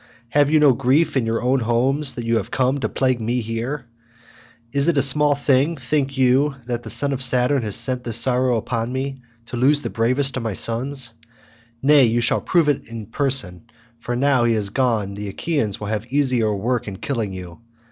Have you no grief in your own homes that you are come to plague me here? Is it a small thing, think you, that the son of Saturn has sent this sorrow upon me, to lose the bravest of my sons? Nay, you shall prove it in person, for now he is gone the Achaeans will have easier work in killing you.